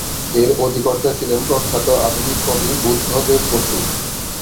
এর অধিকর্তা ছিলেন প্রখ্যাত আধুনিক কবি বুদ্ধদেব বসু।